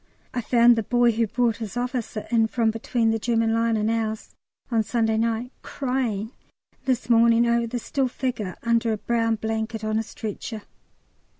I found the boy who brought his officer in from between the German line and ours, on Sunday night, crying this morning over the still figure under a brown blanket on a stretcher.